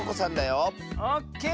オッケー！